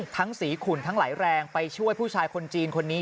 สีขุนทั้งไหลแรงไปช่วยผู้ชายคนจีนคนนี้